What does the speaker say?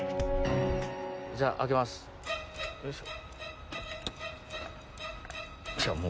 じゃあ、開けます。